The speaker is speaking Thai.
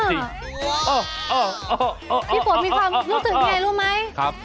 พี่ฝนรู้สึกแบบไงรู้ไหมครับ